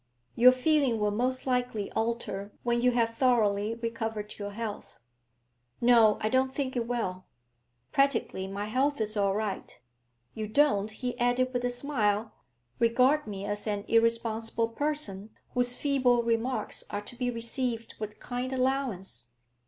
'Your feeling will most likely alter when you have thoroughly recovered your health.' 'No, I don't think it will. Practically my health is all right. You don't,' he added with a smile, 'regard me as an irresponsible person, whose feeble remarks are to be received with kind allowance?'